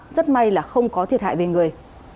rất may là không có thiệt hại về người